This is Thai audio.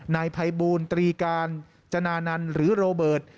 นายภัยบูลตรีการจนานันต์หรือโรเบิร์ต